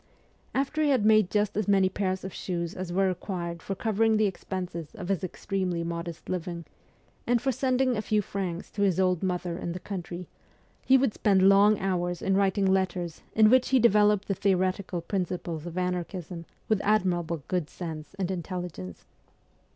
After he had made just as many pairs of shoes as were required for covering the expenses of his extremely modest living, and for sending a few francs to his old mother in the country, he would spend long hours in writing letters in which he developed the theoretical principles of anarchism with admirable good sense and intelligence.